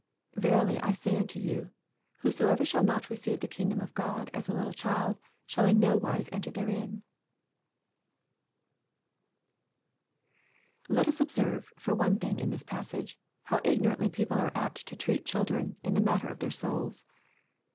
17 Verily I say unto you, Whoso ever shall not receive the kingdom of God as a4ittle child shall in no wise enter therein. Let us observe, for one thing, in this passage, how igno rantly people are apt to treat children, in thematter of their souls.